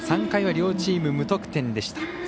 ３回は両チーム無得点でした。